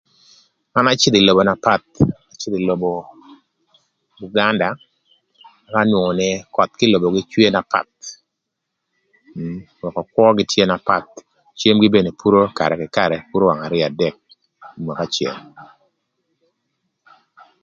An acïdhö ï lobo na path. Acïdhö ï lobo Buganda ëka anwongo nï köth kï ï lobogï cwe na path, öwëkö kwögï tye na path, cemgï mënë epuro karë kï karë epuro wang arïö, adek ï mwaka acël.